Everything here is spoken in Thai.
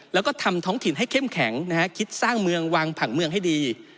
แล้วก็ทำท้องถิ่นให้เข้มแข็งนะฮะคิดสร้างเมืองวางผังเมืองให้ดี